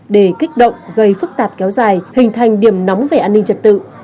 để kích động gây phức tạp kéo dài hình thành điểm nóng về an ninh trật tự